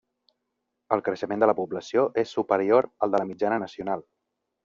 El creixement de la població és superior al de la mitjana nacional.